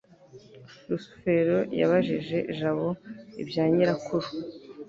rusufero yabajije jabo ibya nyirakuru